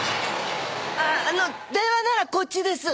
あの電話ならこっちです。